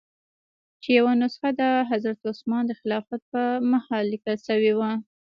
چې یوه نسخه د حضرت عثمان د خلافت په مهال لیکل شوې وه.